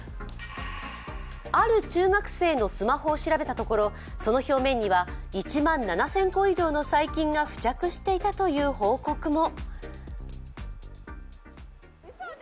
ある中学生のスマホを調べたところ、その表面には、１万７０００個以上の細菌が付着していたという報告も。